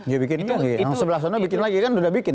ya bikinnya sebelah sana bikin lagi kan udah bikin